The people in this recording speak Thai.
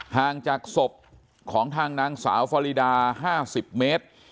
ห่างจากศพของทางนางสาวฟารีดา๕๐เมตร